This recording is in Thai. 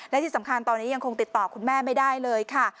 และที่สำคัญตอนนี้ยังคงติดต่อคุณแม่ไม่ได้เลยค่ะ